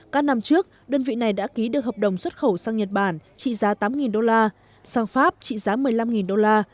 các năm trước đơn vị này đã ký được hợp đồng xuất khẩu sang nhật bản trị giá tám đô la sang pháp trị giá một mươi năm đô la